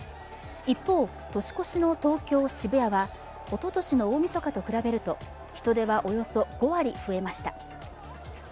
一方、年越しの東京・渋谷は、おととしの大みそかと比べると人出はおよそ５割増えました。